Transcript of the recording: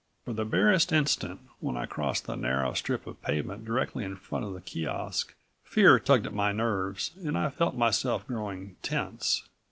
For the barest instant, when I crossed the narrow strip of pavement directly in front of the kiosk, fear tugged at my nerves and I felt myself growing tense.